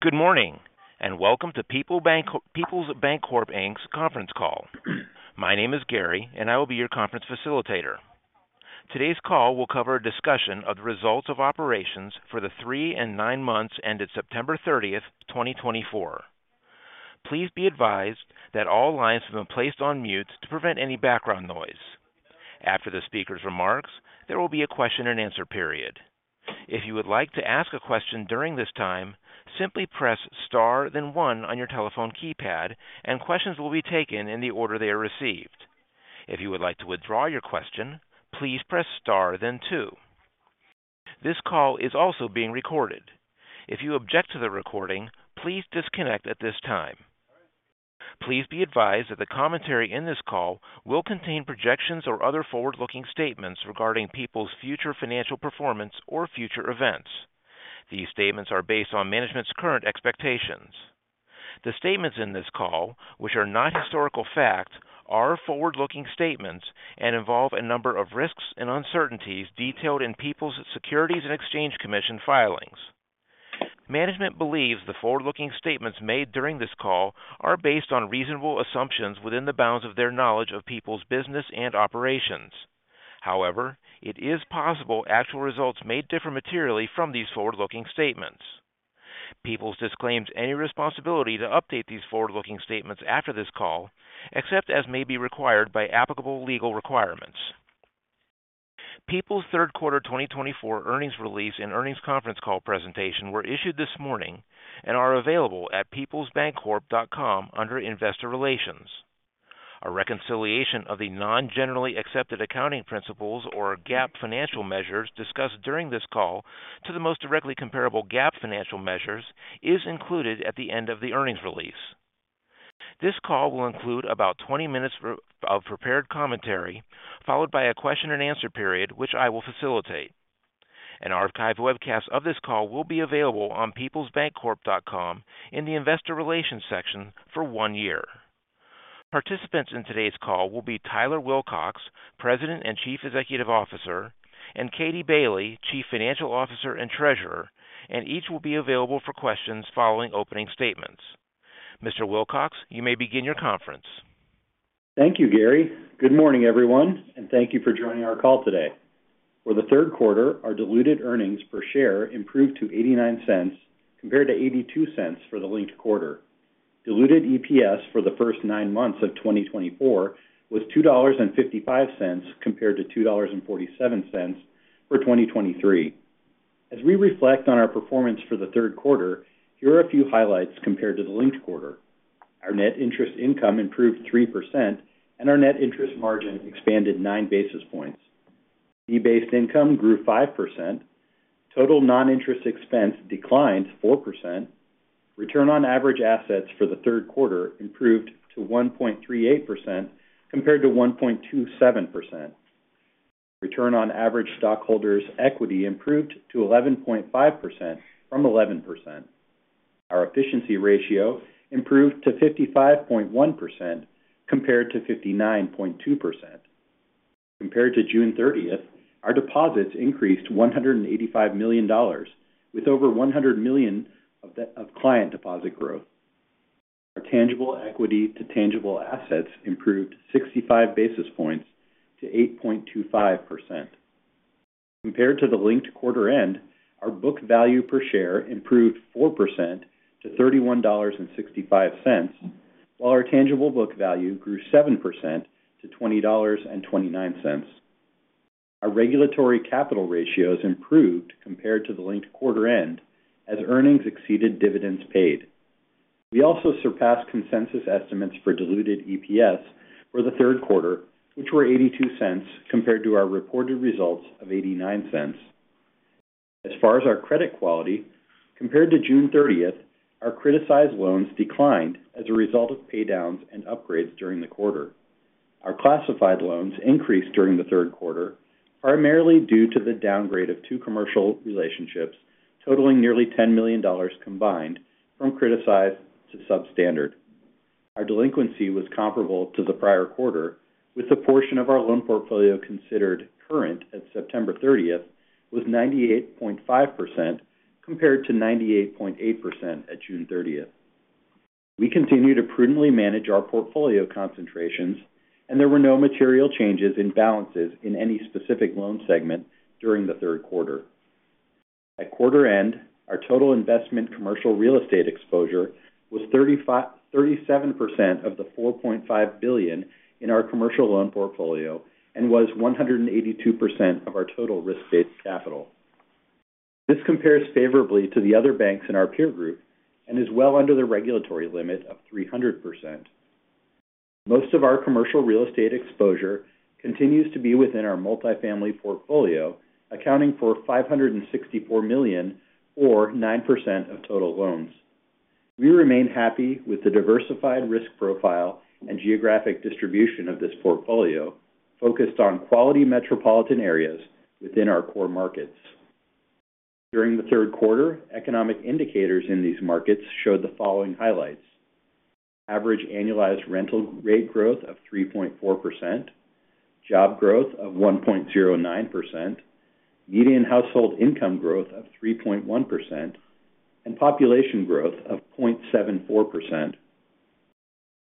Good morning, and welcome to Peoples Bancorp Inc.'s Conference Call. My name is Gary, and I will be your conference facilitator. Today's call will cover a discussion of the results of operations for the three and nine months ended September 30th, 2024. Please be advised that all lines have been placed on mute to prevent any background noise. After the speaker's remarks, there will be a question-and-answer period. If you would like to ask a question during this time, simply press Star then one on your telephone keypad, and questions will be taken in the order they are received. If you would like to withdraw your question, please press Star then two. This call is also being recorded. If you object to the recording, please disconnect at this time. Please be advised that the commentary in this call will contain projections or other forward-looking statements regarding Peoples' future financial performance or future events. These statements are based on management's current expectations. The statements in this call, which are not historical facts, are forward-looking statements and involve a number of risks and uncertainties detailed in Peoples' Securities and Exchange Commission filings. Management believes the forward-looking statements made during this call are based on reasonable assumptions within the bounds of their knowledge of Peoples' business and operations. However, it is possible actual results may differ materially from these forward-looking statements. Peoples disclaims any responsibility to update these forward-looking statements after this call, except as may be required by applicable legal requirements. Peoples' Third quarter 2024 earnings release and earnings conference call presentation were issued this morning and are available at peoplesbancorp.com under Investor Relations. A reconciliation of the non-generally accepted accounting principles or GAAP financial measures discussed during this call to the most directly comparable GAAP financial measures is included at the end of the earnings release. This call will include about 20 minutes of prepared commentary, followed by a question-and-answer period, which I will facilitate. An archived webcast of this call will be available on peoplesbancorp.com in the Investor Relations section for one year. Participants in today's call will be Tyler Wilcox, President and Chief Executive Officer, and Katie Bailey, Chief Financial Officer and Treasurer, and each will be available for questions following opening statements. Mr. Wilcox, you may begin your conference. Thank you, Gary. Good morning, everyone, and thank you for joining our call today. For the third quarter, our diluted earnings per share improved to $0.89, compared to $0.82 for the linked quarter. Diluted EPS for the first nine months of 2024 was $2.55, compared to $2.47 for 2023. As we reflect on our performance for the third quarter, here are a few highlights compared to the linked quarter. Our net interest income improved 3%, and our net interest margin expanded nine basis points. Fee-based income grew 5%. Total non-interest expense declined 4%. Return on average assets for the third quarter improved to 1.38%, compared to 1.27%. Return on average stockholders' equity improved to 11.5% from 11%. Our efficiency ratio improved to 55.1%, compared to 59.2%. Compared to June 30th, our deposits increased to $185 million, with over 100 million of client deposit growth. Our tangible equity to tangible assets improved 65 basis points to 8.25%. Compared to the linked quarter end, our book value per share improved 4% to $31.65, while our tangible book value grew 7% to $20.29. Our regulatory capital ratios improved compared to the linked quarter end as earnings exceeded dividends paid. We also surpassed consensus estimates for diluted EPS for the third quarter, which were $0.82 compared to our reported results of $0.89. As far as our credit quality, compared to June 30th, our criticized loans declined as a result of paydowns and upgrades during the quarter. Our classified loans increased during the third quarter, primarily due to the downgrade of two commercial relationships, totaling nearly $10 million combined from criticized to substandard. Our delinquency was comparable to the prior quarter, with the portion of our loan portfolio considered current at September 30th was 98.5%, compared to 98.8% at June 30th. We continue to prudently manage our portfolio concentrations, and there were no material changes in balances in any specific loan segment during the third quarter. At quarter end, our total investment commercial real estate exposure was 35%-37% of the $4.5 billion in our commercial loan portfolio and was 182% of our total risk-based capital. This compares favorably to the other banks in our peer group and is well under the regulatory limit of 300%. Most of our commercial real estate exposure continues to be within our multifamily portfolio, accounting for $564 million, or 9% of total loans. We remain happy with the diversified risk profile and geographic distribution of this portfolio, focused on quality metropolitan areas within our core markets. During the third quarter, economic indicators in these markets showed the following highlights: average annualized rental rate growth of 3.4%, job growth of 1.09%, median household income growth of 3.1%, and population growth of 0.74%.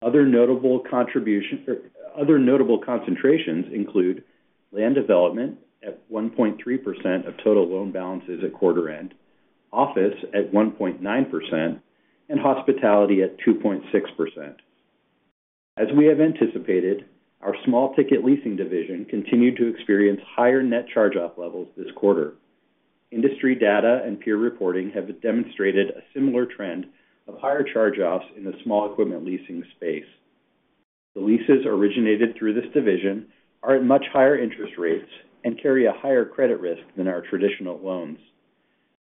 Other notable contribution or other notable concentrations include land development at 1.3% of total loan balances at quarter end, office at 1.9%, and hospitality at 2.6%. As we have anticipated, our small ticket leasing division continued to experience higher net charge-off levels this quarter. Industry data and peer reporting have demonstrated a similar trend of higher charge-offs in the small equipment leasing space. The leases originated through this division are at much higher interest rates and carry a higher credit risk than our traditional loans.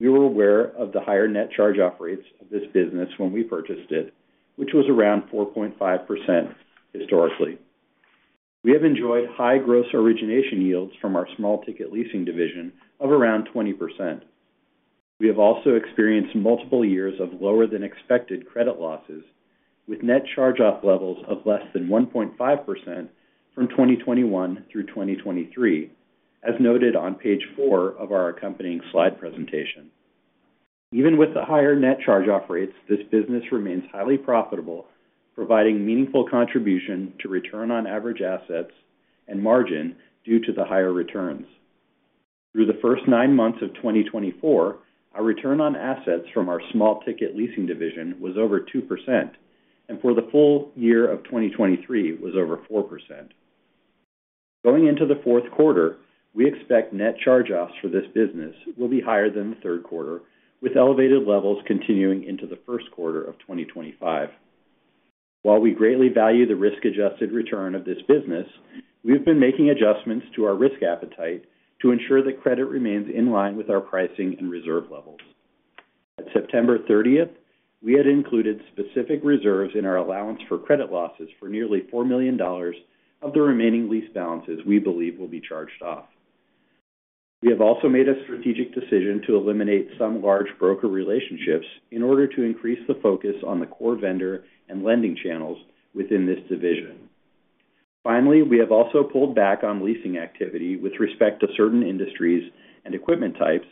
We were aware of the higher net charge-off rates of this business when we purchased it, which was around 4.5% historically. We have enjoyed high gross origination yields from our small ticket leasing division of around 20%. We have also experienced multiple years of lower than expected credit losses, with net charge-off levels of less than 1.5% from 2021 through 2023, as noted on page 4 of our accompanying slide presentation. Even with the higher net charge-off rates, this business remains highly profitable, providing meaningful contribution to return on average assets and margin due to the higher returns. Through the first nine months of 2024, our return on assets from our small ticket leasing division was over 2%, and for the full year of 2023 was over 4%. Going into the fourth quarter, we expect net charge-offs for this business will be higher than the third quarter, with elevated levels continuing into the first quarter of 2025. While we greatly value the risk-adjusted return of this business, we've been making adjustments to our risk appetite to ensure that credit remains in line with our pricing and reserve levels. At September 30th, we had included specific reserves in our allowance for credit losses for nearly $4 million of the remaining lease balances we believe will be charged off. We have also made a strategic decision to eliminate some large broker relationships in order to increase the focus on the core vendor and lending channels within this division. Finally, we have also pulled back on leasing activity with respect to certain industries and equipment types,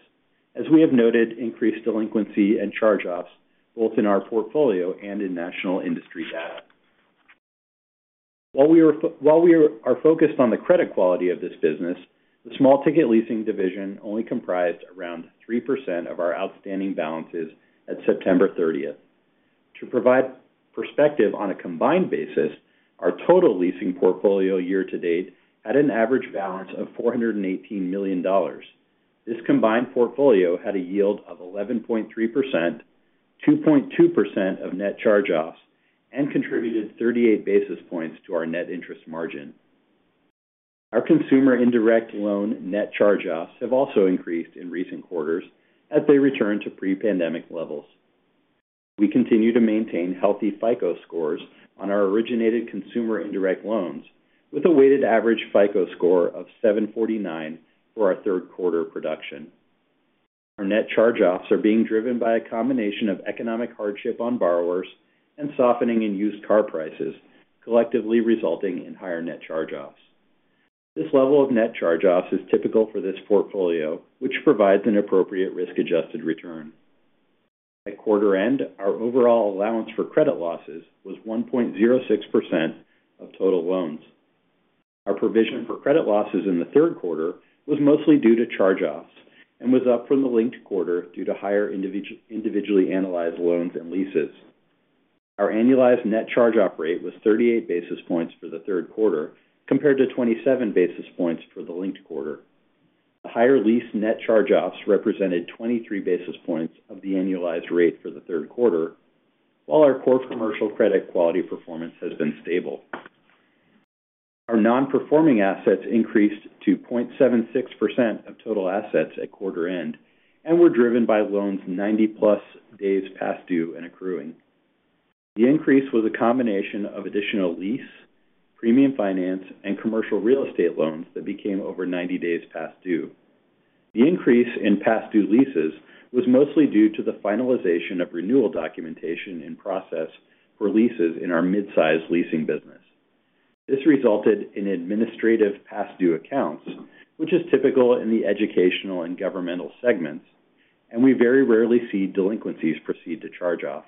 as we have noted increased delinquency and charge-offs, both in our portfolio and in national industry data. While we are focused on the credit quality of this business, the small ticket leasing division only comprised around 3% of our outstanding balances at September 30th. To provide perspective on a combined basis, our total leasing portfolio year to date, at an average balance of $418 million. This combined portfolio had a yield of 11.3%, 2.2% of net charge-offs, and contributed 38 basis points to our net interest margin. Our consumer indirect loan net charge-offs have also increased in recent quarters as they return to pre-pandemic levels. We continue to maintain healthy FICO scores on our originated consumer indirect loans, with a weighted average FICO score of 749 for our third quarter production. Our net charge-offs are being driven by a combination of economic hardship on borrowers and softening in used car prices, collectively resulting in higher net charge-offs. This level of net charge-offs is typical for this portfolio, which provides an appropriate risk-adjusted return. At quarter end, our overall allowance for credit losses was 1.06% of total loans. Our provision for credit losses in the third quarter was mostly due to charge-offs and was up from the linked quarter due to higher individually analyzed loans and leases. Our annualized net charge-off rate was 38 basis points for the third quarter, compared to 27 basis points for the linked quarter. The higher lease net charge-offs represented 23 basis points of the annualized rate for the third quarter, while our core commercial credit quality performance has been stable. Our non-performing assets increased to 0.76% of total assets at quarter end and were driven by loans 90-plus days past due and accruing. The increase was a combination of additional lease, premium finance, and commercial real estate loans that became over 90 days past due. The increase in past due leases was mostly due to the finalization of renewal documentation in process for leases in our mid-size leasing business. This resulted in administrative past due accounts, which is typical in the educational and governmental segments, and we very rarely see delinquencies proceed to charge off.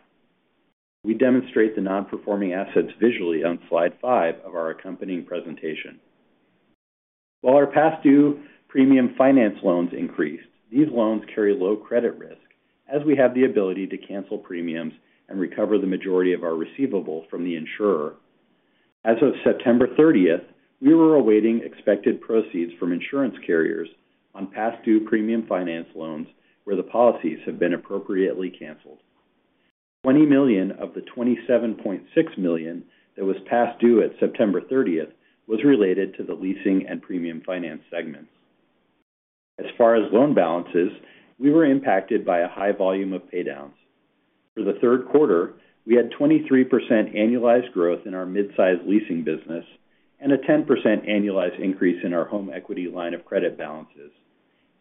We demonstrate the non-performing assets visually on slide 5 of our accompanying presentation. While our past due premium finance loans increased, these loans carry low credit risk, as we have the ability to cancel premiums and recover the majority of our receivables from the insurer. As of September 30th, we were awaiting expected proceeds from insurance carriers on past due premium finance loans, where the policies have been appropriately canceled. $20 million of the $27.6 million that was past due at September 30th was related to the leasing and premium finance segments. As far as loan balances, we were impacted by a high volume of paydowns. For the third quarter, we had 23% annualized growth in our mid-size leasing business and a 10% annualized increase in our home equity line of credit balances.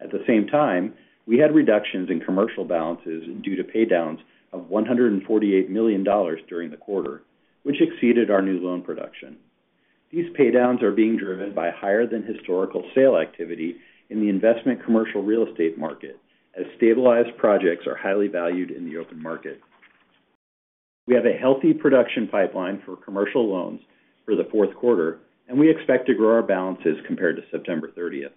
At the same time, we had reductions in commercial balances due to paydowns of $148 million during the quarter, which exceeded our new loan production. These paydowns are being driven by higher than historical sale activity in the investment commercial real estate market, as stabilized projects are highly valued in the open market. We have a healthy production pipeline for commercial loans for the fourth quarter, and we expect to grow our balances compared to September 30th.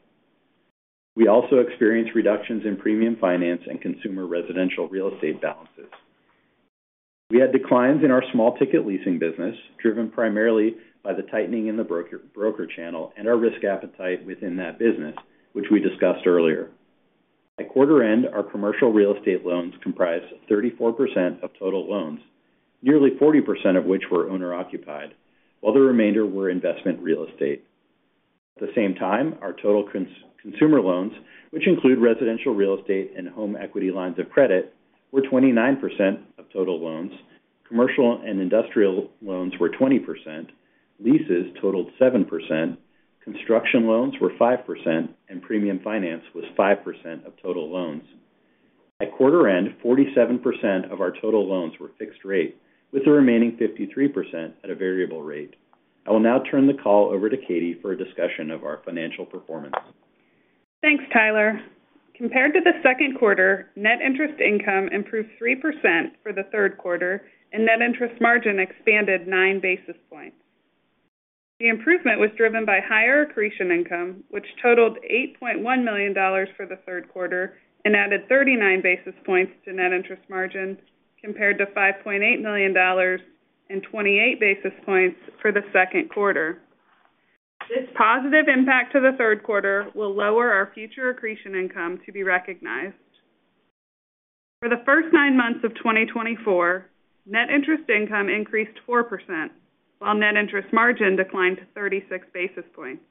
We also experienced reductions in premium finance and consumer residential real estate balances. We had declines in our small ticket leasing business, driven primarily by the tightening in the broker channel and our risk appetite within that business, which we discussed earlier. At quarter end, our commercial real estate loans comprised 34% of total loans, nearly 40% of which were owner-occupied, while the remainder were investment real estate. At the same time, our total consumer loans, which include residential real estate and home equity lines of credit, were 29% of total loans. Commercial and industrial loans were 20%, leases totaled 7%, construction loans were 5%, and premium finance was 5% of total loans. At quarter end, 47% of our total loans were fixed rate, with the remaining 53% at a variable rate. I will now turn the call over to Katie for a discussion of our financial performance. Thanks, Tyler. Compared to the second quarter, net interest income improved 3% for the third quarter, and net interest margin expanded nine basis points. The improvement was driven by higher accretion income, which totaled $8.1 million for the third quarter and added 39 basis points to net interest margin, compared to $5.8 million and 28 basis points for the second quarter. This positive impact to the third quarter will lower our future accretion income to be recognized. For the first nine months of 2024, net interest income increased 4%, while net interest margin declined to 36 basis points.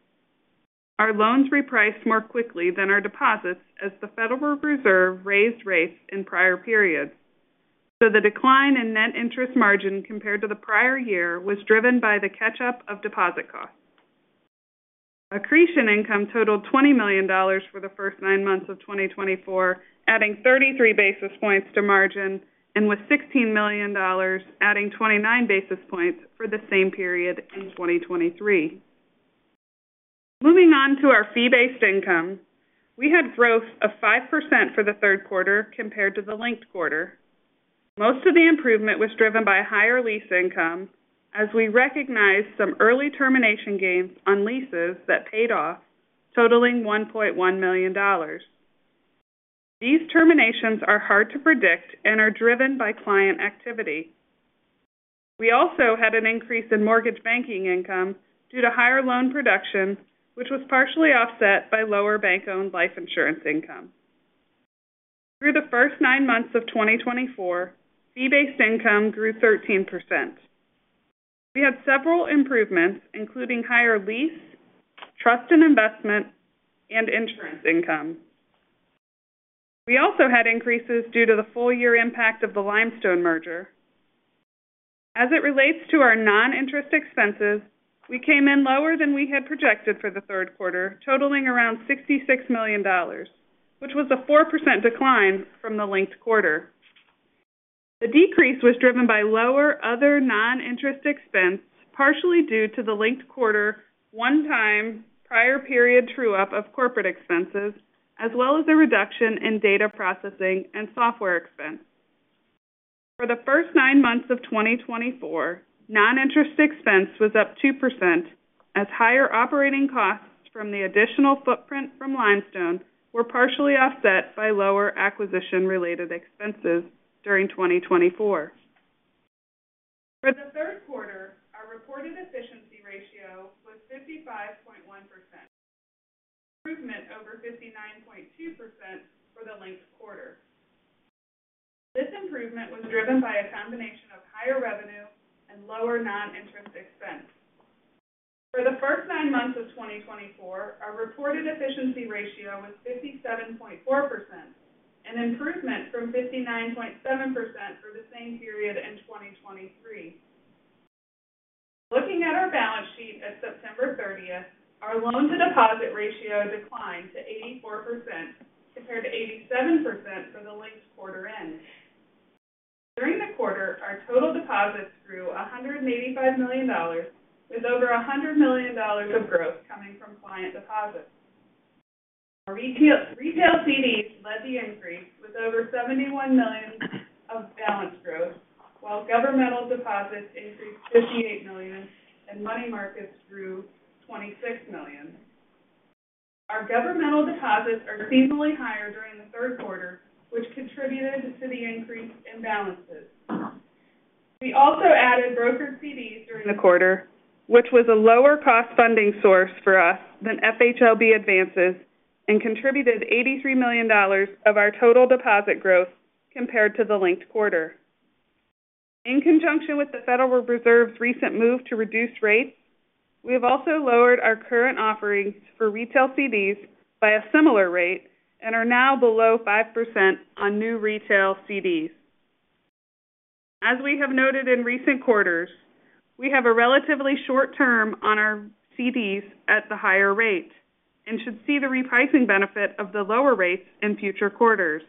Our loans repriced more quickly than our deposits as the Federal Reserve raised rates in prior periods. So the decline in net interest margin compared to the prior year was driven by the catch-up of deposit costs. Accretion income totaled $20 million for the first nine months of 2024, adding 33 basis points to margin, and with $16 million, adding 29 basis points for the same period in 2023. Moving on to our fee-based income. We had growth of 5% for the third quarter compared to the linked quarter. Most of the improvement was driven by higher lease income, as we recognized some early termination gains on leases that paid off, totaling $1.1 million. These terminations are hard to predict and are driven by client activity. We also had an increase in mortgage banking income due to higher loan production, which was partially offset by lower bank-owned life insurance income. Through the first nine months of 2024, fee-based income grew 13%. We had several improvements, including higher lease, trust and investment, and insurance income. We also had increases due to the full year impact of the Limestone merger. As it relates to our non-interest expenses, we came in lower than we had projected for the third quarter, totaling around $66 million, which was a 4% decline from the linked quarter. The decrease was driven by lower other non-interest expense, partially due to the linked quarter one-time prior period true-up of corporate expenses, as well as a reduction in data processing and software expense. For the first nine months of 2024, non-interest expense was up 2%, as higher operating costs from the additional footprint from Limestone were partially offset by lower acquisition-related expenses during 2024. For the third quarter, our reported efficiency ratio was 55.1%, improvement over 59.2% for the linked quarter. This improvement was driven by a combination of higher revenue and lower non-interest expense. For the first nine months of 2024, our reported efficiency ratio was 57.4%, an improvement from 59.7% for the same period in 2023. Looking at our balance sheet at September 30th, our loan to deposit ratio declined to 84%, compared to 87% for the linked quarter end. During the quarter, our total deposits grew $185 million, with over $100 million of growth coming from client deposits. Retail CDs led the increase with over $71 million of balance growth, while governmental deposits increased $58 million and money markets grew $26 million. Our governmental deposits are seasonally higher during the third quarter, which contributed to the increase in balances. We also added brokered CDs during the quarter, which was a lower cost funding source for us than FHLB advances and contributed $83 million of our total deposit growth compared to the linked quarter. In conjunction with the Federal Reserve's recent move to reduce rates, we have also lowered our current offerings for retail CDs by a similar rate and are now below 5% on new retail CDs. As we have noted in recent quarters, we have a relatively short term on our CDs at the higher rate and should see the repricing benefit of the lower rates in future quarters.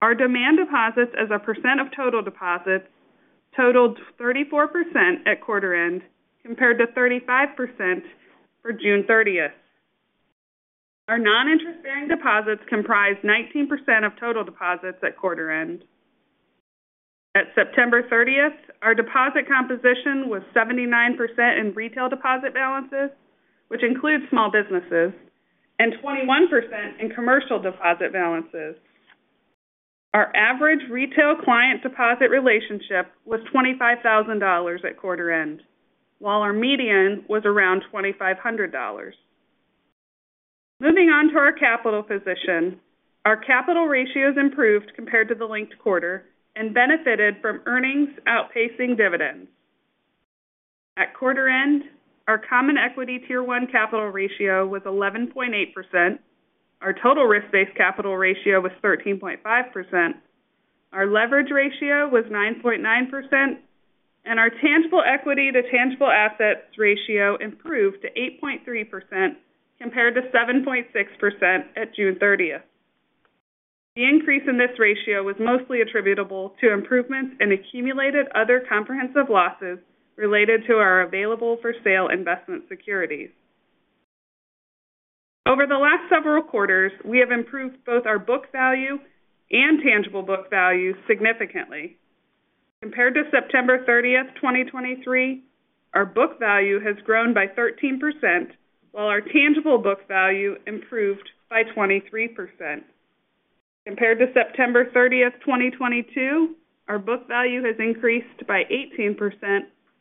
Our demand deposits as a percent of total deposits totaled 34% at quarter end, compared to 35% for June 30th. Our non-interest-bearing deposits comprised 19% of total deposits at quarter end. At September 30, our deposit composition was 79% in retail deposit balances, which includes small businesses, and 21% in commercial deposit balances. Our average retail client deposit relationship was $25,000 at quarter end, while our median was around $2,500. Moving on to our capital position. Our capital ratios improved compared to the linked quarter and benefited from earnings outpacing dividends. At quarter end, our common equity Tier 1 capital ratio was 11.8%, our total risk-based capital ratio was 13.5%, our leverage ratio was 9.9%, and our tangible equity to tangible assets ratio improved to 8.3% compared to 7.6% at June 30. The increase in this ratio was mostly attributable to improvements in accumulated other comprehensive losses related to our available-for-sale investment securities. Over the last several quarters, we have improved both our book value and tangible book value significantly. Compared to September 30th, 2023, our book value has grown by 13%, while our tangible book value improved by 23%. Compared to September 30th, 2022, our book value has increased by 18%,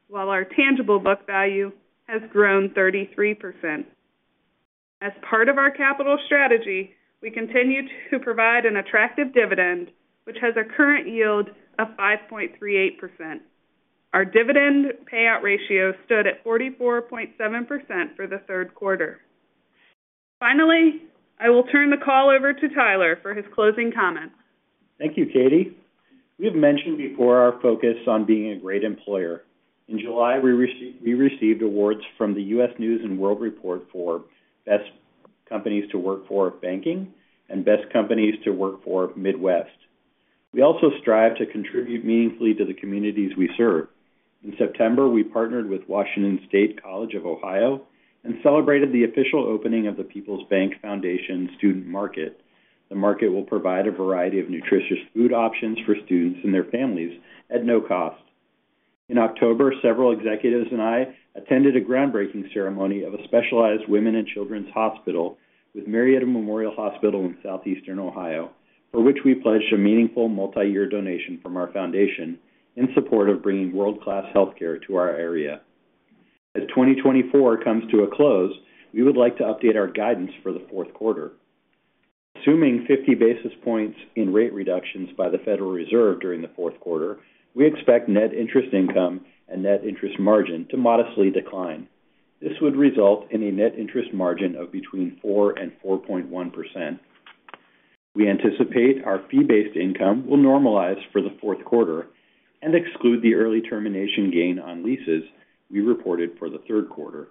while our tangible book value has grown 33%. As part of our capital strategy, we continue to provide an attractive dividend, which has a current yield of 5.38%. Our dividend payout ratio stood at 44.7% for the third quarter. Finally, I will turn the call over to Tyler for his closing comments. Thank you, Katie. We've mentioned before our focus on being a great employer. In July, we received awards from the U.S. News & World Report for Best Companies to Work For banking and Best Companies to Work For Midwest. We also strive to contribute meaningfully to the communities we serve. In September, we partnered with Washington State College of Ohio and celebrated the official opening of the Peoples Bank Foundation Student Market. The market will provide a variety of nutritious food options for students and their families at no cost. In October, several executives and I attended a groundbreaking ceremony of a specialized women and children's hospital with Marietta Memorial Hospital in Southeastern Ohio, for which we pledged a meaningful multi-year donation from our foundation in support of bringing world-class healthcare to our area. As 2024 comes to a close, we would like to update our guidance for the fourth quarter. Assuming 50 basis points in rate reductions by the Federal Reserve during the fourth quarter, we expect net interest income and net interest margin to modestly decline. This would result in a net interest margin of between 4% and 4.1%. We anticipate our fee-based income will normalize for the fourth quarter and exclude the early termination gain on leases we reported for the third quarter.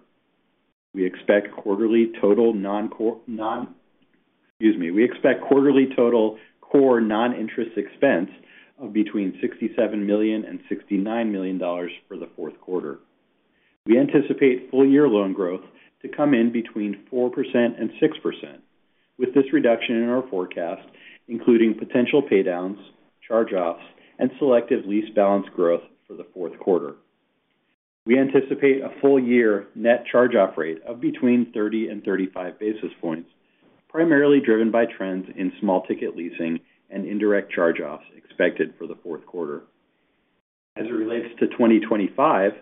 We expect quarterly total core non-interest expense of between $67 million and $69 million for the fourth quarter. We anticipate full year loan growth to come in between 4% and 6%, with this reduction in our forecast, including potential paydowns, charge-offs, and selective lease balance growth for the fourth quarter. We anticipate a full year net charge-off rate of between 30 and 35 basis points, primarily driven by trends in small ticket leasing and indirect charge-offs expected for the fourth quarter. As it relates to 2025,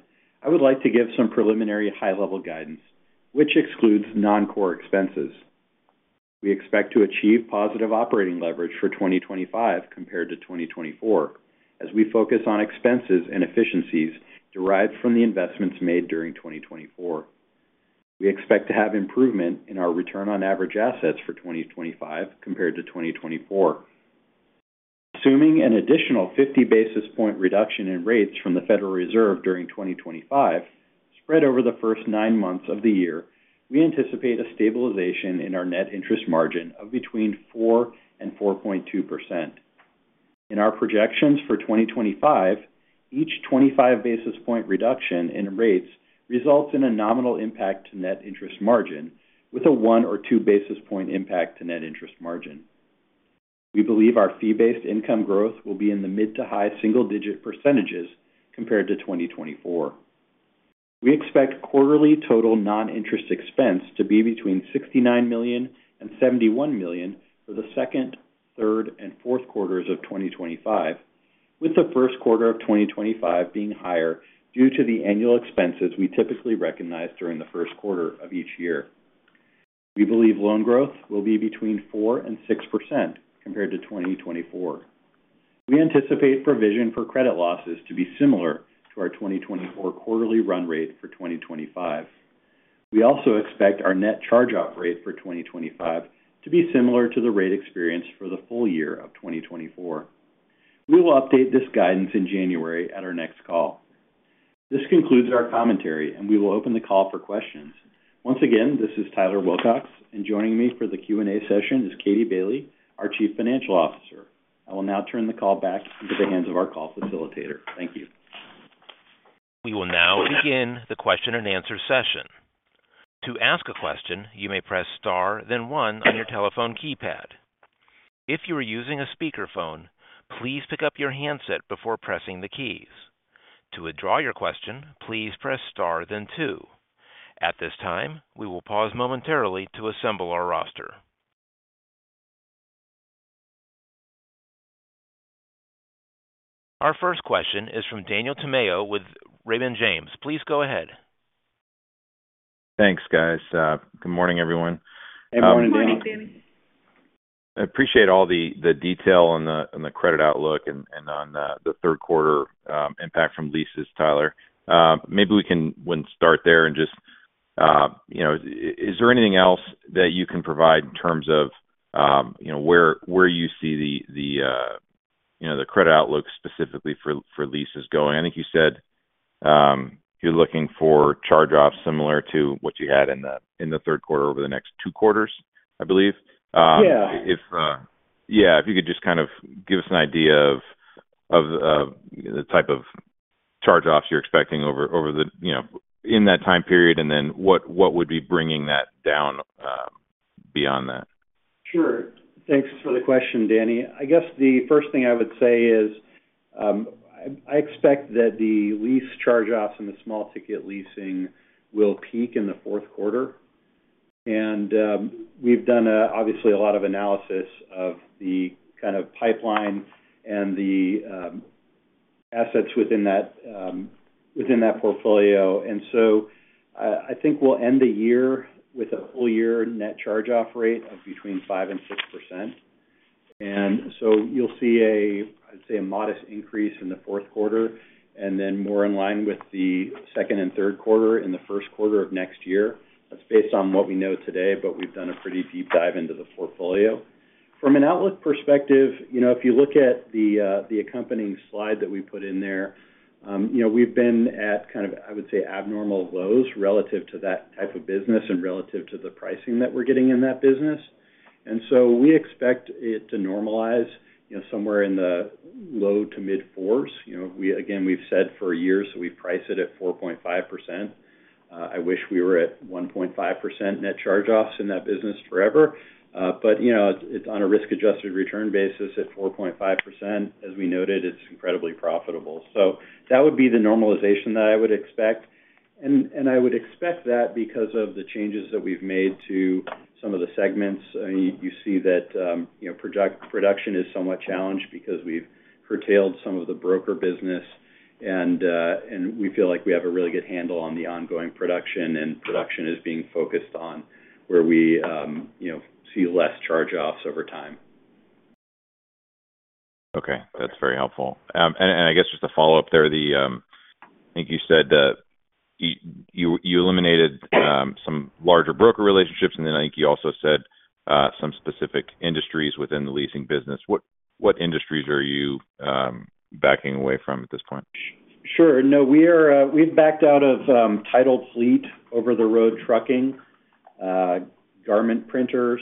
I would like to give some preliminary high-level guidance, which excludes non-core expenses. We expect to achieve positive operating leverage for 2025 compared to 2024, as we focus on expenses and efficiencies derived from the investments made during 2024. We expect to have improvement in our return on average assets for 2025 compared to 2024. Assuming an additional 50 basis point reduction in rates from the Federal Reserve during 2025, spread over the first nine months of the year, we anticipate a stabilization in our net interest margin of between 4% and 4.2%. In our projections for 2025, each 25 basis point reduction in rates results in a nominal impact to net interest margin with a one or two basis point impact to net interest margin. We believe our fee-based income growth will be in the mid- to high-single-digit percentages compared to 2024. We expect quarterly total non-interest expense to be between $69 million and $71 million for the second, third, and fourth quarters of 2025, with the first quarter of 2025 being higher due to the annual expenses we typically recognize during the first quarter of each year. We believe loan growth will be between 4% and 6% compared to 2024. We anticipate provision for credit losses to be similar to our 2024 quarterly run rate for 2025. We also expect our net charge-off rate for 2025 to be similar to the rate experienced for the full year of 2024. We will update this guidance in January at our next call. This concludes our commentary, and we will open the call for questions. Once again, this is Tyler Wilcox, and joining me for the Q&A session is Katie Bailey, our Chief Financial Officer. I will now turn the call back into the hands of our call facilitator. Thank you. We will now begin the question-and-answer session. To ask a question, you may press Star, then one on your telephone keypad. If you are using a speakerphone, please pick up your handset before pressing the keys. To withdraw your question, please press Star, then two. At this time, we will pause momentarily to assemble our roster. Our first question is from Daniel Tamayo with Raymond James. Please go ahead. Thanks, guys. Good morning, everyone. Good morning, Dan. Good morning, Dan. I appreciate all the detail on the credit outlook and on the third quarter impact from leases, Tyler. Maybe we want to start there and just you know is there anything else that you can provide in terms of you know where you see the you know the credit outlook specifically for leases going? I think you said you're looking for charge-offs similar to what you had in the third quarter over the next two quarters, I believe. Yeah. Yeah, if you could just kind of give us an idea of the type of charge-offs you're expecting over the, you know, in that time period, and then what would be bringing that down beyond that? Sure. Thanks for the question, Danny. I guess the first thing I would say is, I expect that the lease charge-offs in the small ticket leasing will peak in the fourth quarter. And, we've done, obviously a lot of analysis of the kind of pipeline and the assets within that portfolio. And so I think we'll end the year with a full year net charge-off rate of between 5%-6%. And so you'll see a, I'd say, a modest increase in the fourth quarter, and then more in line with the second and third quarter in the first quarter of next year. That's based on what we know today, but we've done a pretty deep dive into the portfolio. From an outlook perspective, you know, if you look at the accompanying slide that we put in there, you know, we've been at kind of, I would say, abnormal lows relative to that type of business and relative to the pricing that we're getting in that business. And so we expect it to normalize, you know, somewhere in the low to mid fours. You know, again, we've said for years that we price it at 4.5%. I wish we were at 1.5% net charge-offs in that business forever. But, you know, it's on a risk-adjusted return basis at 4.5%. As we noted, it's incredibly profitable. So that would be the normalization that I would expect. And I would expect that because of the changes that we've made to some of the segments. I mean, you see that, you know, production is somewhat challenged because we've curtailed some of the broker business, and we feel like we have a really good handle on the ongoing production, and production is being focused on where we, you know, see less charge-offs over time. Okay. That's very helpful. And I guess just to follow up there, I think you said you eliminated some larger broker relationships, and then I think you also said some specific industries within the leasing business. What industries are you backing away from at this point? Sure. No, we are, we've backed out of, titled fleet over-the-road trucking, garment printers.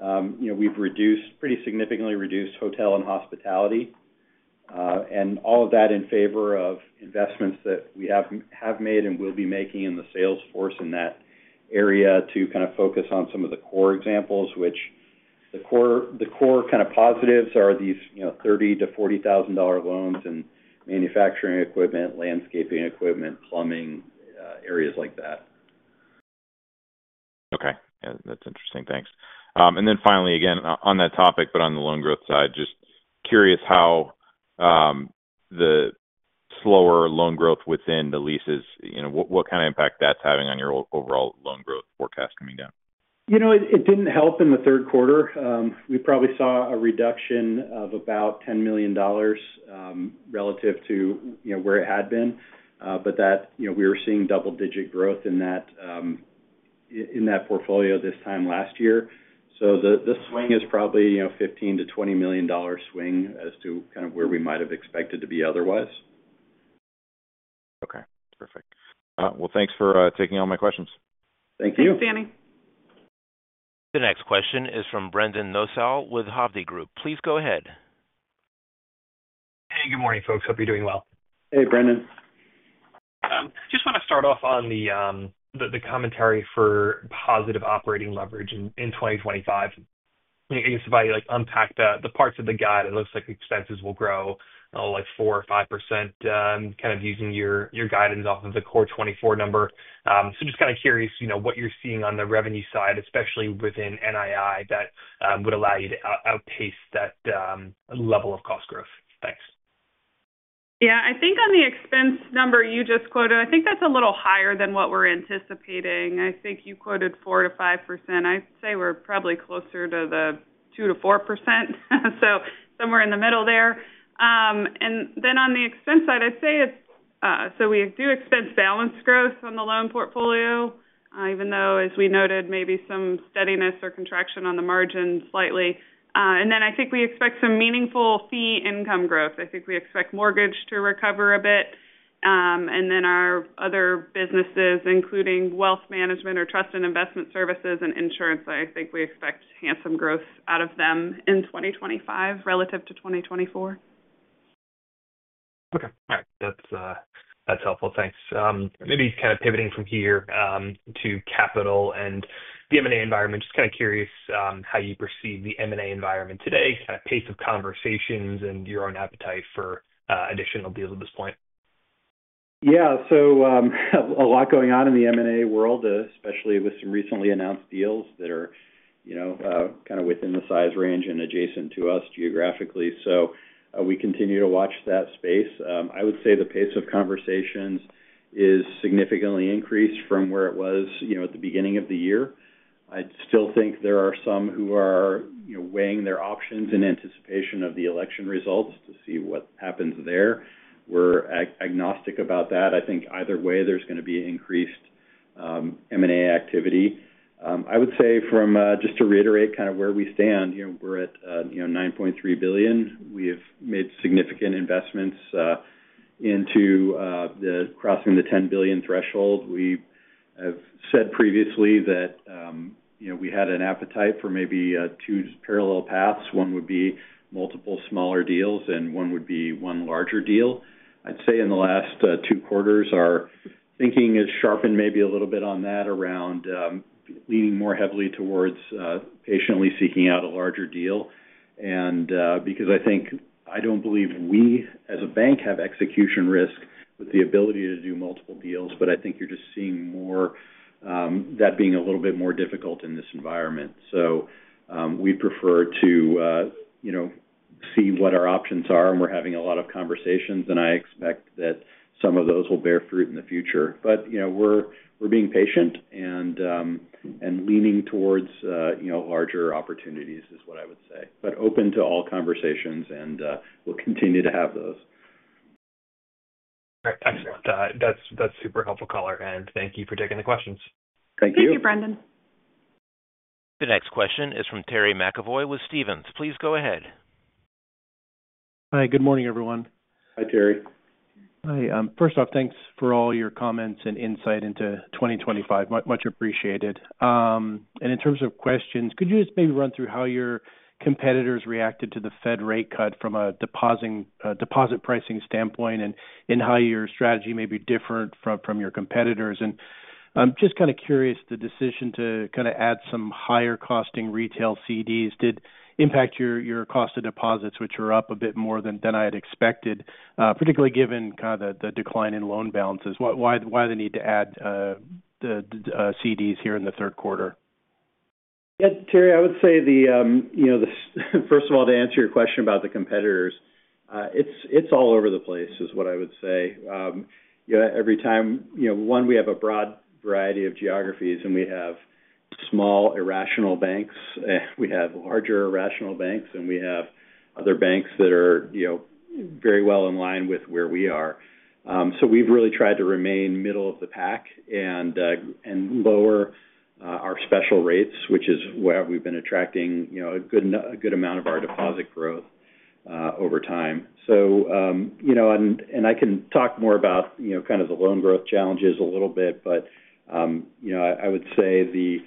You know, we've reduced, pretty significantly reduced hotel and hospitality, and all of that in favor of investments that we have made and will be making in the sales force in that area to kind of focus on some of the core examples, which the core kind of positives are these, you know, $30,000-$40,000 loans in manufacturing equipment, landscaping equipment, plumbing, areas like that. Okay. Yeah, that's interesting. Thanks. And then finally, again, on that topic, but on the loan growth side, just curious how the slower loan growth within the leases, you know, what kind of impact that's having on your overall loan growth forecast coming down? You know, it didn't help in the third quarter. We probably saw a reduction of about $10 million, relative to, you know, where it had been. But that... You know, we were seeing double-digit growth in that, in that portfolio this time last year. So this swing is probably, you know, $15 million-$20 million dollar swing as to kind of where we might have expected to be otherwise. Okay. Perfect. Well, thanks for taking all my questions. Thank you. Thanks, Danny. The next question is from Brendan Nosal with Hovde Group. Please go ahead. Hey, good morning, folks. Hope you're doing well. Hey, Brendan. Just want to start off on the commentary for positive operating leverage in 2025. Can you somebody, like, unpack the parts of the guide? It looks like expenses will grow, like 4% or 5%, kind of using your guidance off of the core 2024. So just kind of curious, you know, what you're seeing on the revenue side, especially within NII, that would allow you to outpace that level of cost growth. Thanks. Yeah, I think on the expense number you just quoted, I think that's a little higher than what we're anticipating. I think you quoted 4%-5%. I'd say we're probably closer to the 2%-4%. So somewhere in the middle there. And then on the expense side, I'd say, so we expect balance growth on the loan portfolio, even though, as we noted, maybe some steadiness or contraction on the margin slightly. And then I think we expect some meaningful fee income growth. I think we expect mortgage to recover a bit. And then our other businesses, including wealth management or trust and investment services and insurance, I think we expect handsome growth out of them in 2025 relative to 2024. Okay. All right. That's helpful. Thanks. Maybe kind of pivoting from here to capital and the M&A environment. Just kind of curious how you perceive the M&A environment today, kind of pace of conversations and your own appetite for additional deals at this point. Yeah. So, a lot going on in the M&A world, especially with some recently announced deals that are, you know, kind of within the size range and adjacent to us geographically. So, we continue to watch that space. I would say the pace of conversations is significantly increased from where it was, you know, at the beginning of the year. I still think there are some who are, you know, weighing their options in anticipation of the election results to see what happens there. We're agnostic about that. I think either way, there's gonna be increased M&A activity. I would say from just to reiterate kind of where we stand, you know, we're at, you know, 9.3 billion. We have made significant investments into the crossing the 10 billion threshold. We have said previously that, you know, we had an appetite for maybe two parallel paths. One would be multiple smaller deals, and one would be one larger deal. I'd say in the last two quarters, our thinking has sharpened maybe a little bit on that, around leaning more heavily towards patiently seeking out a larger deal, and because I think I don't believe we, as a bank, have execution risk with the ability to do multiple deals, but I think you're just seeing more that being a little bit more difficult in this environment, so we prefer to you know see what our options are, and we're having a lot of conversations, and I expect that some of those will bear fruit in the future. But, you know, we're being patient and leaning towards, you know, larger opportunities, is what I would say. But open to all conversations and we'll continue to have those. All right. Excellent. That's, that's super helpful, caller, and thank you for taking the questions. Thank you. Thank you, Brendan. The next question is from Terry McEvoy with Stephens. Please go ahead. Hi, good morning, everyone. Hi, Terry. Hi, first off, thanks for all your comments and insight into 2025. Much, much appreciated. And in terms of questions, could you just maybe run through how your competitors reacted to the Fed rate cut from a deposit pricing standpoint, and how your strategy may be different from your competitors? And I'm just kind of curious, the decision to kind of add some higher-costing retail CDs did impact your cost of deposits, which are up a bit more than I had expected, particularly given kind of the decline in loan balances. Why the need to add the CDs here in the third quarter? Yeah, Terry, I would say the, you know, the first of all, to answer your question about the competitors, it's all over the place, is what I would say. You know, we have a broad variety of geographies, and we have small, irrational banks, we have larger, irrational banks, and we have other banks that are, you know, very well in line with where we are. So we've really tried to remain middle of the pack and lower our special rates, which is where we've been attracting, you know, a good amount of our deposit growth over time. So, you know, and I can talk more about, you know, kind of the loan growth challenges a little bit, but, you know, I would say the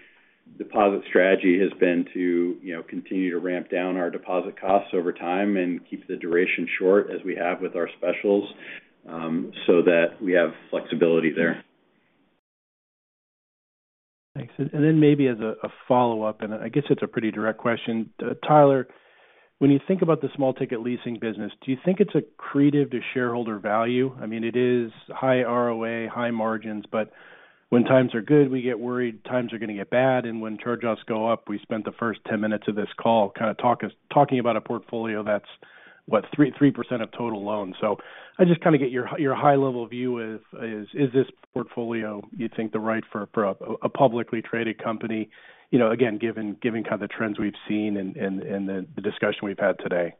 deposit strategy has been to, you know, continue to ramp down our deposit costs over time and keep the duration short, as we have with our specials, so that we have flexibility there. Thanks. And then maybe as a follow-up, and I guess it's a pretty direct question. Tyler, when you think about the small-ticket leasing business, do you think it's accretive to shareholder value? I mean, it is high ROA, high margins, but when times are good, we get worried times are gonna get bad. And when charge-offs go up, we spent the first ten minutes of this call kind of talking about a portfolio that's, what, 3% of total loans. So I just kind of get your high-level view. Is this portfolio, you think, the right for a publicly traded company? You know, again, given kind of the trends we've seen and the discussion we've had today.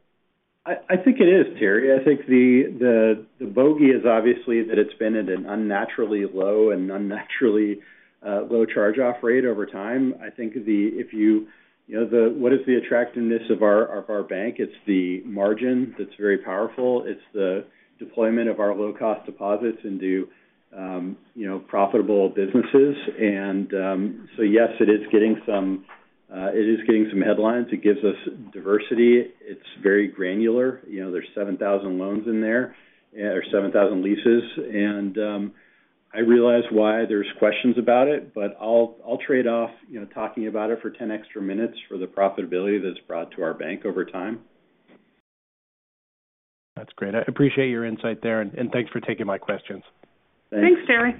I think it is, Terry. I think the bogey is obviously that it's been at an unnaturally low and unnaturally low charge-off rate over time. I think the if you know, the what is the attractiveness of our bank? It's the margin that's very powerful. It's the deployment of our low-cost deposits into you know, profitable businesses. And so yes, it is getting some headlines. It gives us diversity. It's very granular. You know, there's 7,000 loans in there or 7,000 leases. And I realize why there's questions about it, but I'll trade off you know, talking about it for 10 extra minutes for the profitability that's brought to our bank over time. That's great. I appreciate your insight there, and thanks for taking my questions. Thanks. Thanks, Terry.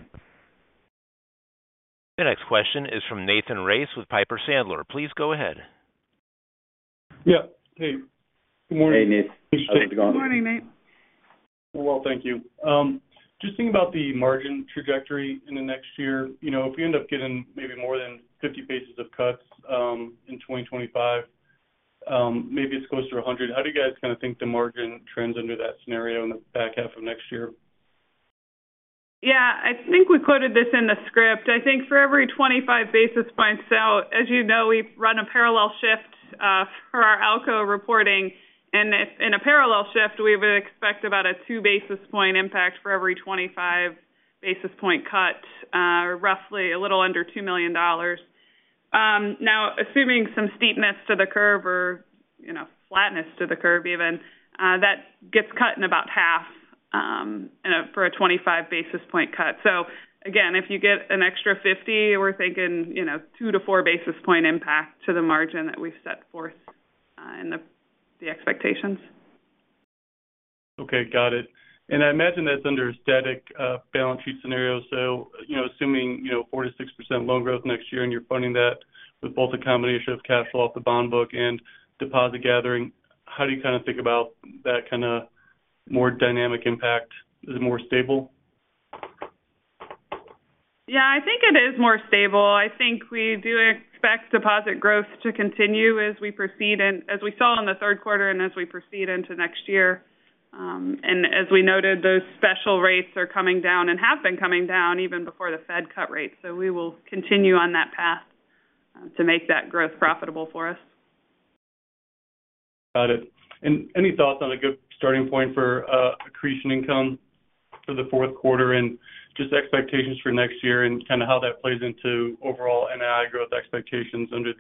The next question is from Nathan Race with Piper Sandler. Please go ahead. Yeah. Hey, good morning. Hey, Nate. How's it going? Good morning, Nate. Thank you. Just thinking about the margin trajectory in the next year. You know, if you end up getting maybe more than 50 basis points of cuts in 2025, ... maybe it's closer to a hundred. How do you guys kind of think the margin trends under that scenario in the back half of next year? Yeah, I think we quoted this in the script. I think for every 25 basis points out, as you know, we run a parallel shift for our ALCO reporting. And if in a parallel shift, we would expect about a 2 basis point impact for every 25 basis point cut, roughly a little under $2 million. Now, assuming some steepness to the curve or, you know, flatness to the curve even, that gets cut in about half for a 25 basis point cut. So again, if you get an extra 50, we're thinking, you know, 2-4 basis point impact to the margin that we've set forth in the expectations. Okay, got it. And I imagine that's under a static balance sheet scenario. So, you know, assuming, you know, 4%-6% loan growth next year, and you're funding that with both a combination of cash flow off the bond book and deposit gathering, how do you kind of think about that kind of more dynamic impact? Is it more stable? Yeah, I think it is more stable. I think we do expect deposit growth to continue as we proceed and as we saw in the third quarter and as we proceed into next year. And as we noted, those special rates are coming down and have been coming down even before the Fed cut rates. So we will continue on that path, to make that growth profitable for us. Got it. And any thoughts on a good starting point for accretion income for the fourth quarter and just expectations for next year and kind of how that plays into overall NII growth expectations under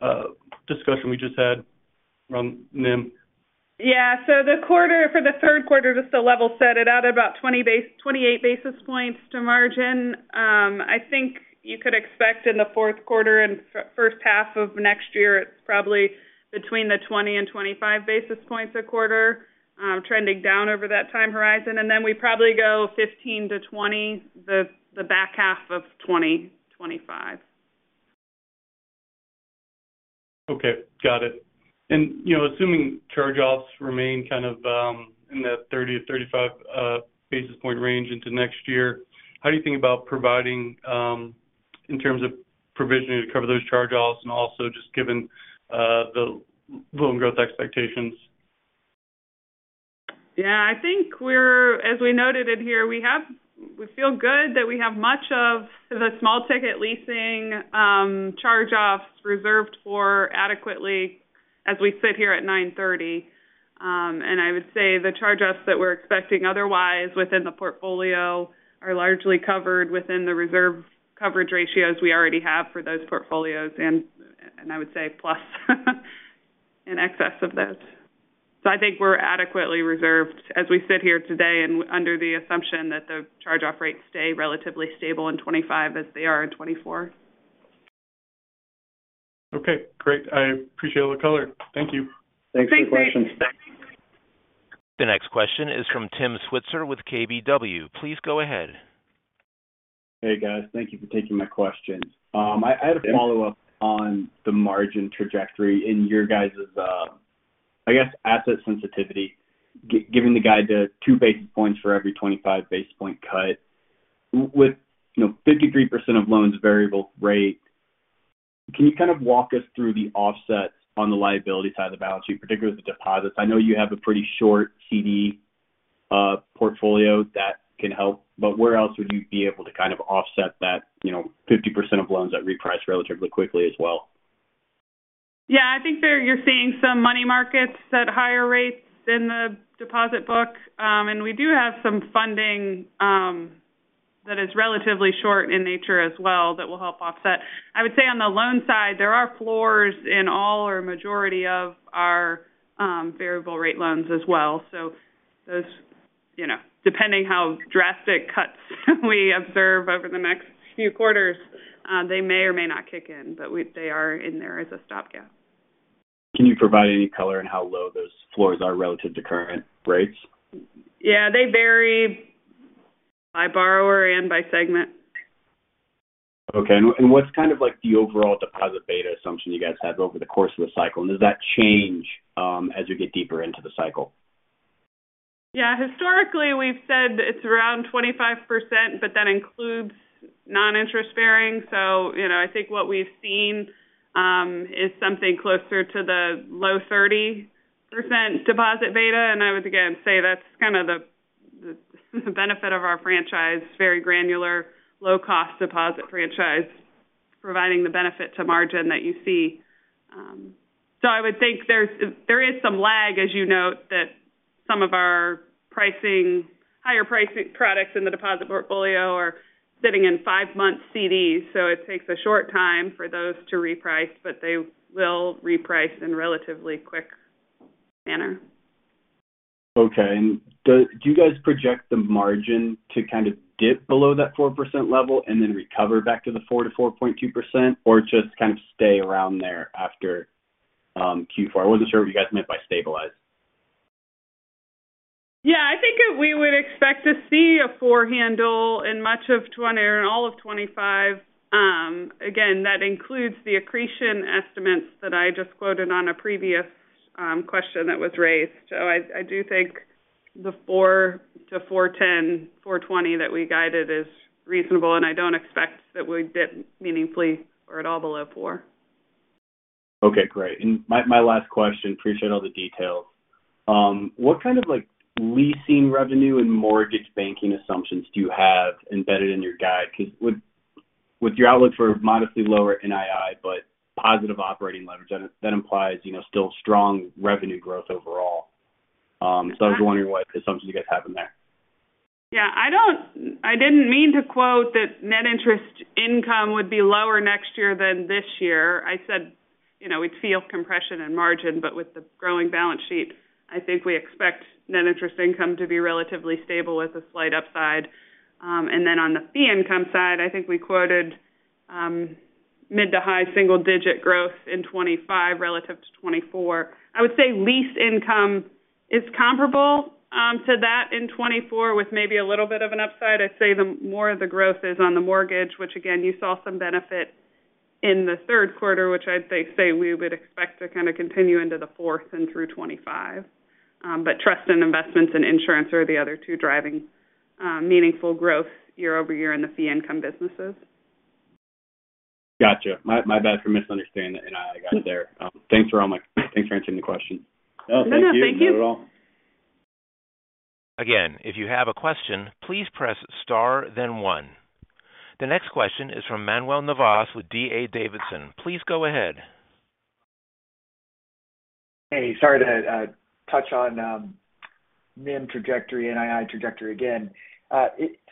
the discussion we just had from NIM? Yeah. So, for the third quarter, just to level set it, added about 28 basis points to margin. I think you could expect in the fourth quarter and first half of next year, it's probably between 20 and 25 basis points a quarter, trending down over that time horizon. And then we probably go 15-20, the back half of 2025. Okay, got it. And, you know, assuming charge-offs remain kind of in that 30-35 basis point range into next year, how do you think about providing in terms of provisioning to cover those charge-offs and also just given the loan growth expectations? Yeah, I think we're as we noted in here, we have we feel good that we have much of the small ticket leasing charge-offs reserved for adequately as we sit here at 9:30 A.M. And I would say the charge-offs that we're expecting otherwise within the portfolio are largely covered within the reserve coverage ratios we already have for those portfolios, and I would say plus, in excess of those. So I think we're adequately reserved as we sit here today, and under the assumption that the charge-off rates stay relatively stable in 2025 as they are in 2024. Okay, great. I appreciate all the color. Thank you. Thanks. Thanks for your questions. The next question is from Tim Switzer with KBW. Please go ahead. Hey, guys. Thank you for taking my questions. Yeah. I had a follow-up on the margin trajectory in your guys's, I guess, asset sensitivity. Giving the guide to two basis points for every 25 basis point cut. With, you know, 53% of loans variable rate, can you kind of walk us through the offsets on the liability side of the balance sheet, particularly the deposits? I know you have a pretty short CD portfolio that can help, but where else would you be able to kind of offset that, you know, 50% of loans that reprice relatively quickly as well? Yeah, I think there, you're seeing some money markets at higher rates than the deposit book. And we do have some funding that is relatively short in nature as well, that will help offset. I would say on the loan side, there are floors in all or majority of our variable rate loans as well. So those, you know, depending how drastic cuts we observe over the next few quarters, they may or may not kick in, but they are in there as a stopgap. Can you provide any color on how low those floors are relative to current rates? Yeah, they vary by borrower and by segment. Okay, and what's kind of like the overall deposit beta assumption you guys have over the course of the cycle, and does that change as you get deeper into the cycle? Yeah, historically, we've said it's around 25%, but that includes non-interest bearing. So, you know, I think what we've seen is something closer to the low 30% deposit beta. And I would again say that's kind of the benefit of our franchise, very granular, low-cost deposit franchise, providing the benefit to margin that you see. So I would think there's some lag, as you note, that some of our higher pricing products in the deposit portfolio are sitting in five-month CDs, so it takes a short time for those to reprice, but they will reprice in a relatively quick manner. Okay. And do, do you guys project the margin to kind of dip below that 4% level and then recover back to the 4%-4.2%, or just kind of stay around there after Q4? I wasn't sure what you guys meant by stabilize. Yeah, I think we would expect to see a 4 handle in all of 2025. Again, that includes the accretion estimates that I just quoted on a previous question that was raised. So I do think the 4 to 4.10, 4.20 that we guided is reasonable, and I don't expect that we'd dip meaningfully or at all below 4. Okay, great, and my last question, I appreciate all the details. What kind of, like, leasing revenue and mortgage banking assumptions do you have embedded in your guide? Because with your outlook for modestly lower NII, but positive operating leverage, that implies, you know, still strong revenue growth overall, so I was wondering what assumptions you guys have in there. Yeah, I don't, I didn't mean to quote that net interest income would be lower next year than this year. I said, you know, we'd feel compression in margin, but with the growing balance sheet, I think we expect net interest income to be relatively stable with a slight upside. And then on the fee income side, I think we quoted mid- to high-single-digit growth in 2025 relative to 2024. I would say lease income is comparable to that in 2024, with maybe a little bit of an upside. I'd say the more of the growth is on the mortgage, which again, you saw some benefit in the third quarter, which I'd say we would expect to kind of continue into the fourth and through 2025. but trust and investments and insurance are the other two driving meaningful growth year-over-year in the fee income businesses. Gotcha. My bad for misunderstanding the NII guide there. Thanks for answering the question. No, no, no. Thank you. Not at all. Again, if you have a question, please press star, then one. The next question is from Manuel Navas with D.A. Davidson. Please go ahead. Hey, sorry to touch on NIM trajectory, NII trajectory again.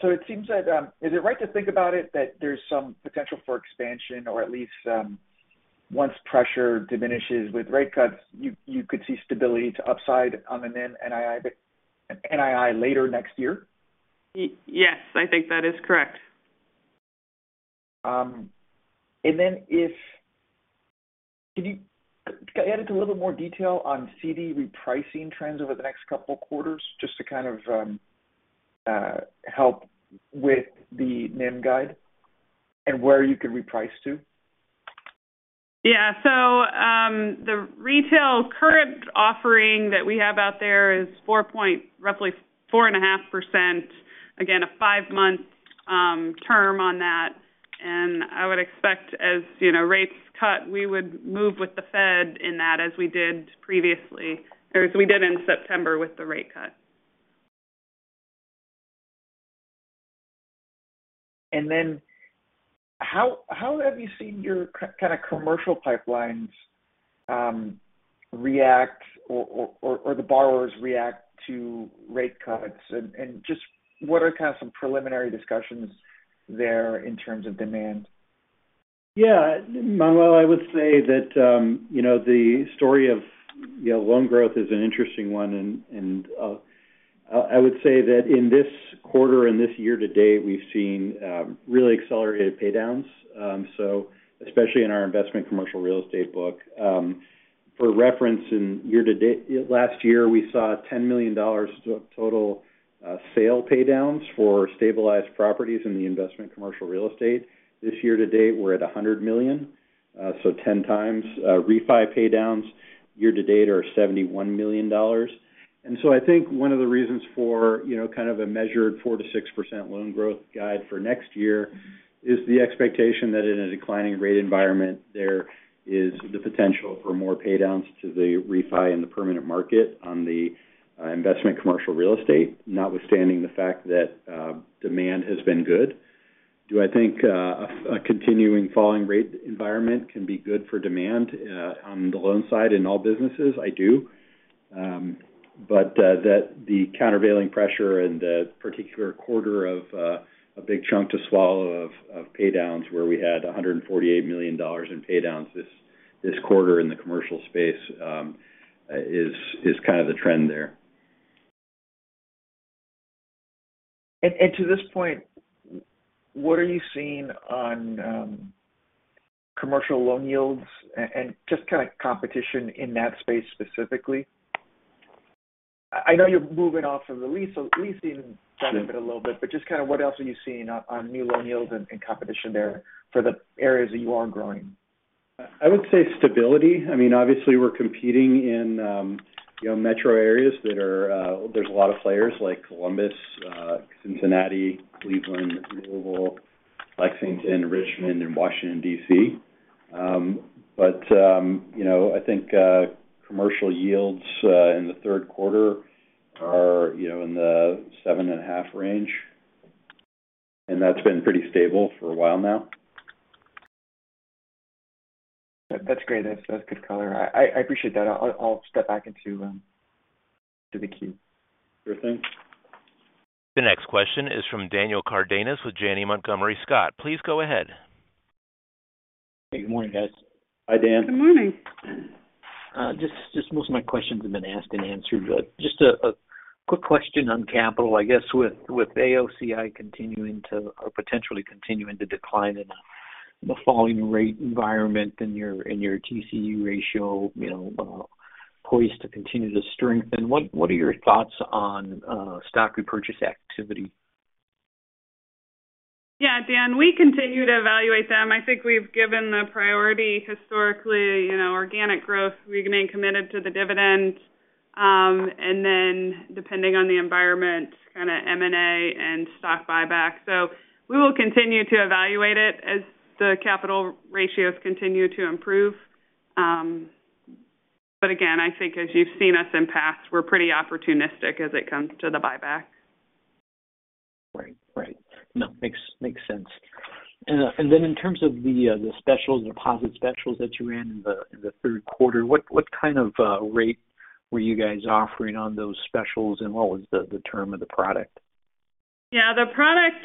So it seems that is it right to think about it that there's some potential for expansion or at least once pressure diminishes with rate cuts, you could see stability to upside on the NIM NII, but NII later next year? Yes, I think that is correct. And then, if you can add a little bit more detail on CD repricing trends over the next couple of quarters, just to kind of help with the NIM guide and where you could reprice to? Yeah. So, the retail current offering that we have out there is 4%, roughly 4.5%, again, a five-month term on that. And I would expect, as you know, rates cut, we would move with the Fed in that as we did previously, or as we did in September with the rate cut. And then how have you seen your kind of commercial pipelines react or the borrowers react to rate cuts? And just what are kind of some preliminary discussions there in terms of demand? Yeah, Manuel, I would say that, you know, the story of, you know, loan growth is an interesting one, and I would say that in this quarter and this year to date, we've seen really accelerated paydowns, so especially in our investment commercial real estate book. For reference, in year to date, last year, we saw $10 million total sale paydowns for stabilized properties in the investment commercial real estate. This year, to date, we're at $100 million, so ten times. Refi paydowns year to date are $71 million. And so I think one of the reasons for, you know, kind of a measured 4%-6% loan growth guide for next year is the expectation that in a declining rate environment, there is the potential for more paydowns to the refi in the permanent market on the, investment commercial real estate, notwithstanding the fact that, demand has been good. Do I think, a continuing falling rate environment can be good for demand, on the loan side in all businesses? I do. But, that the countervailing pressure and the particular quarter of, a big chunk to swallow of paydowns, where we had $148 million in paydowns this quarter in the commercial space, is kind of the trend there. And to this point, what are you seeing on commercial loan yields and just kind of competition in that space specifically? I know you're moving off of the leasing segment a little bit, but just kind of what else are you seeing on new loan yields and competition there for the areas that you are growing? I would say stability. I mean, obviously we're competing in, you know, metro areas that are, there's a lot of players like Columbus, Cincinnati, Cleveland, Louisville, Lexington, Richmond, and Washington, D.C., but you know, I think commercial yields in the third quarter are, you know, in the 7.5 range, and that's been pretty stable for a while now. That's great. That's good color. I appreciate that. I'll step back into the queue. Sure thing. The next question is from Daniel Cardenas with Janney Montgomery Scott. Please go ahead. Hey, good morning, guys. Hi, Dan. Good morning. Just, just most of my questions have been asked and answered, but just a, a quick question on capital. I guess with, with AOCI continuing to or potentially continuing to decline in a falling rate environment and your, and your TCE ratio, you know, poised to continue to strengthen, what, what are your thoughts on stock repurchase activity? ... Yeah, Dan, we continue to evaluate them. I think we've given the priority historically, you know, organic growth. We remain committed to the dividend, and then depending on the environment, kind of M&A and stock buyback. So we will continue to evaluate it as the capital ratios continue to improve. But again, I think as you've seen us in past, we're pretty opportunistic as it comes to the buyback. Right. Right. No, makes sense. And then in terms of the specials, deposit specials that you ran in the third quarter, what kind of rate were you guys offering on those specials, and what was the term of the product? Yeah, the product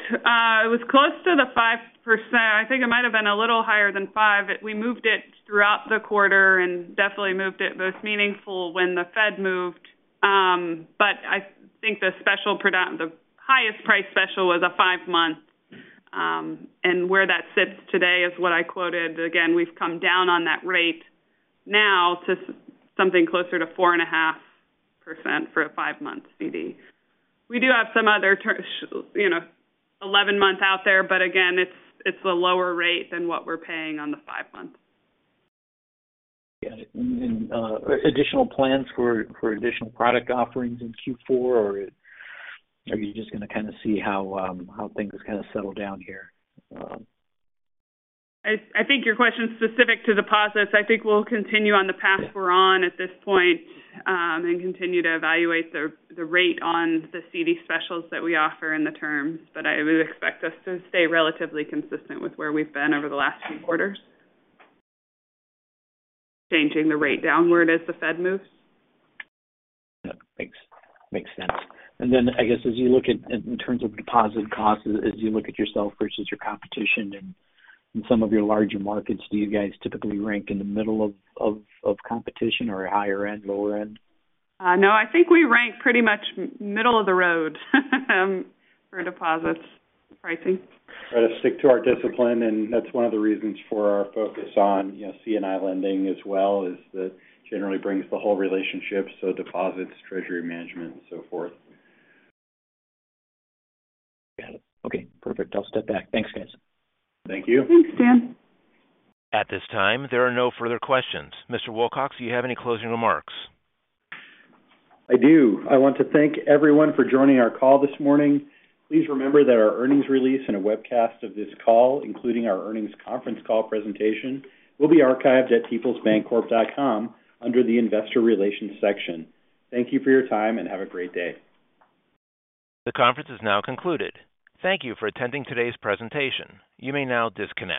was close to the 5%. I think it might have been a little higher than 5%. We moved it throughout the quarter and definitely moved it most meaningful when the Fed moved. But I think the special product, the highest price special was a 5-month. And where that sits today is what I quoted. Again, we've come down on that rate now to something closer to 4.5% for a 5-month CD. We do have some other term, you know, 11 months out there, but again, it's a lower rate than what we're paying on the 5 months. Got it. And additional plans for additional product offerings in Q4, or are you just gonna kind of see how things kind of settle down here? I think your question is specific to deposits. I think we'll continue on the path we're on at this point, and continue to evaluate the rate on the CD specials that we offer and the terms. But I would expect us to stay relatively consistent with where we've been over the last few quarters. Changing the rate downward as the Fed moves. Yep, makes sense. And then, I guess, as you look at, in terms of deposit costs, as you look at yourself versus your competition in some of your larger markets, do you guys typically rank in the middle of competition or higher end, lower end? No, I think we rank pretty much middle of the road for deposits pricing. Try to stick to our discipline, and that's one of the reasons for our focus on, you know, C&I lending as well, is that generally brings the whole relationship, so deposits, treasury management, and so forth. Got it. Okay, perfect. I'll step back. Thanks, guys. Thank you. Thanks, Dan. At this time, there are no further questions. Mr. Wilcox, do you have any closing remarks? I do. I want to thank everyone for joining our call this morning. Please remember that our earnings release and a webcast of this call, including our earnings conference call presentation, will be archived at peoplesbancorp.com under the Investor Relations section. Thank you for your time, and have a great day. The conference is now concluded. Thank you for attending today's presentation. You may now disconnect.